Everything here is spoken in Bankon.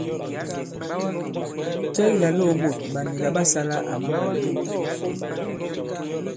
Cɛ ki làlōō ɓôt ɓa nila ɓa sālā àma màlew ?